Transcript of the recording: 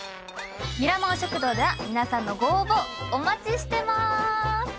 ミラモン食堂では皆さんのご応募お待ちしてます。